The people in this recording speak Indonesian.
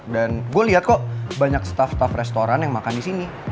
dan gue liat kok banyak staff staff restoran yang makan disini